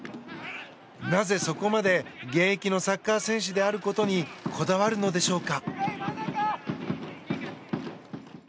なぜそこまで現役のサッカー選手であることにこだわるのでしょうか。